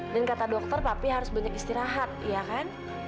dan kata dokter papi harus banyak istirahat iya kan